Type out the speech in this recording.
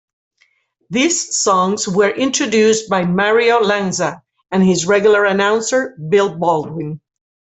These songs were introduced by Mario Lanza and his regular announcer, Bill Baldwin.